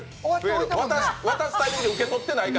渡すタイミングで受け取ってないか。